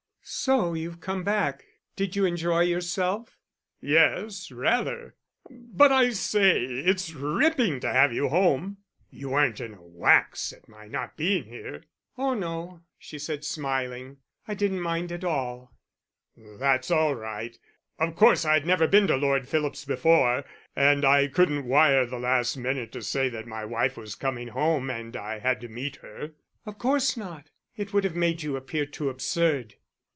"So you've come back? Did you enjoy yourself?" "Yes, rather. But I say, it's ripping to have you home. You weren't in a wax at my not being here?" "Oh no," she said, smiling. "I didn't mind at all." "That's all right. Of course I'd never been to Lord Philip's before, and I couldn't wire the last minute to say that my wife was coming home and I had to meet her." "Of course not; it would have made you appear too absurd."